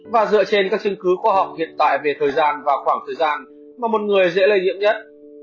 và dựa trên các chứng cứ khoa học hiện tại về thời gian và khoảng thời gian mà một người dễ lây nhiễm nhất